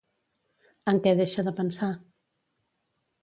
En què deixa de pensar?